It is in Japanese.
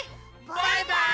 バイバーイ！